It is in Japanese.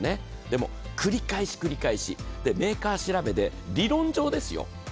繰り返し繰り返し、メーカー調べで理論上ですよ。